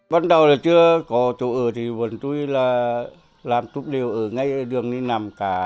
bắt đầu là chưa có chỗ ở thì vẫn tôi là làm chút điều ở ngay ở đường đi nằm cả